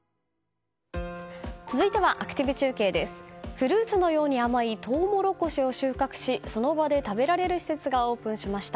フルーツのように甘いトウモロコシを収穫しその場で食べられる施設がオープンしました。